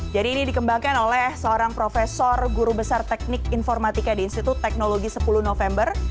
jadi ini dikembangkan oleh seorang profesor guru besar teknik informatika di institut teknologi sepuluh november